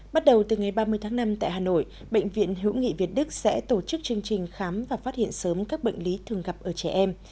bắt đầu từ ngày ba mươi tháng năm tại hà nội bệnh viện hữu nghị việt đức sẽ tổ chức chương trình khám và phát hiện sớm các bệnh lý thường gặp ở trẻ em